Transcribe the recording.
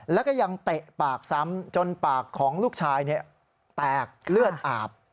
แล้วก็ยังเตะปากซ้ำจนปากของลูกชายแตกเลือดอาบ